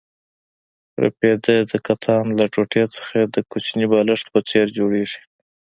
رپیده د کتان له ټوټې څخه د کوچني بالښت په څېر جوړېږي.